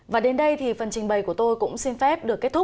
và đến đây thì phần trình bày của tôi cũng xin phép được kết thúc